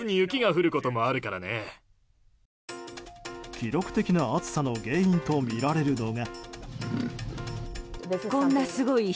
記録的な暑さの原因とみられるのが。